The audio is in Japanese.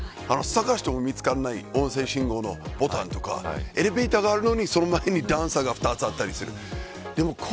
探しても見つからない音声信号のボタンとかエレベーターがあるのにその前に段差が２つあったりする。